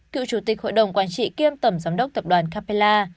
cựu chủ tịch hội đồng quản trị kiêm tổng giám đốc tập đoàn capella